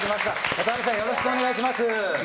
渡邉さん、よろしくお願いします。